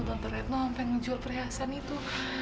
tante retno sampe menjual perhiasan itu